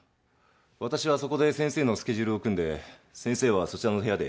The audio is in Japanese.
私はそこで先生のスケジュールを組んで先生はそちらの部屋で。